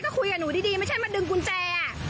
ก็คุยกับหนูดีไม่ใช่มาดึงกุญแจ